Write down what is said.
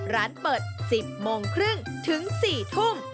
ร้านเปิด๑๐โมงครึ่งถึง๔ทุ่ม